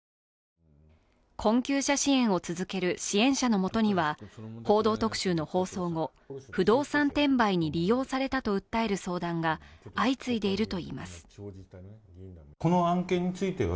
困窮者支援を続ける支援者のもとには、「報道特集」の放送後、不動産転売に利用されたと訴える相談が相次いでいるといいます。